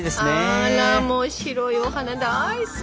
あらもう白いお花大好き！